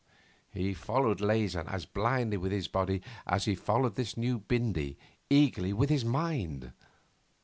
He followed Leysin as blindly with his body as he followed this new Bindy eagerly with his mind.